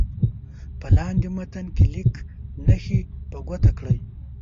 په لاندې متن کې لیک نښې په ګوته کړئ.